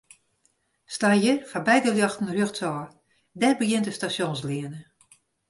Slach hjir foarby de ljochten rjochtsôf, dêr begjint de Stasjonsleane.